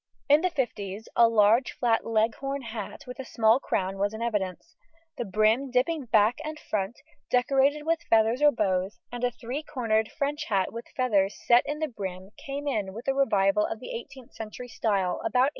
In the fifties a large flat Leghorn hat with a small crown was in evidence, the brim dipping back and front, decorated with feathers or bows, and a three cornered French hat with feathers set in the brim came in with revival of the 18th century style about 1860.